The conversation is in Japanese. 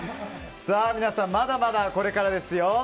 皆さんまだまだこれからですよ。